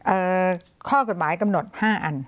ข้อกฎหมายกำหนด๕อัน